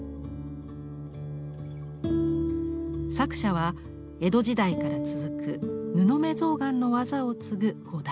作者は江戸時代から続く布目象嵌の技を継ぐ５代目。